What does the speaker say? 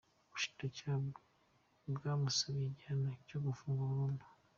Ubushinjacyaha bwo bwamusabiye igihano cyo gufungwa burundu.